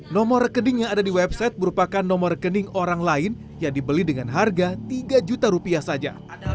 nomor rekening yang ada di website merupakan nomor rekening orang lain yang dibeli dengan harga tiga juta rupiah saja